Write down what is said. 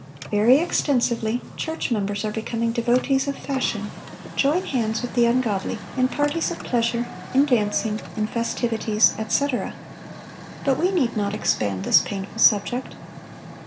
Very extensively, church members are becoming devotees of fashion,—join hands with the ungodly in parties of pleasure, in dancing, in festivities, etc.... But we need not expand this painful subject.